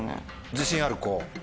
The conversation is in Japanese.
自信ある子。